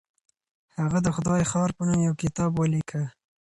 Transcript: هغه د خدای ښار په نوم يو کتاب وليکه.